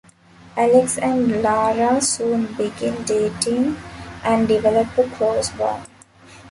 Alex and Lara soon begin dating and develop a close bond.